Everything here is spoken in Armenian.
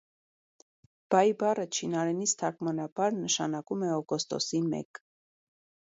«Բայի» բառը չինարենից թարգանաբար նշանակում «օգոստոսի մեկ»։